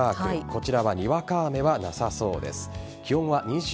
こちらはにわか雨はなさそうです。